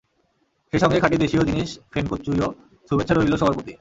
সেই সঙ্গে খাঁটি দেশীয় জিনিস ফেন কচুইয়ো শুভেচ্ছা রইল সবার প্রতি।